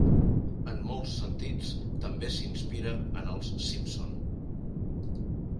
En molts sentits també s'inspira en els "Simpson".